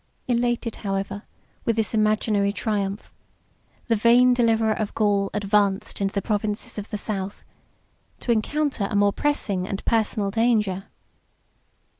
Elated, however, with this imaginary triumph, the vain deliverer of Gaul advanced into the provinces of the South, to encounter a more pressing and personal danger.